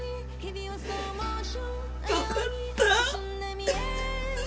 よかった。